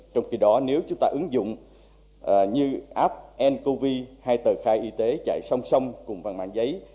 trong khi đó nếu chúng ta ứng dụng như app ncov hay tờ khai y tế chạy song song cùng bằng mạng giấy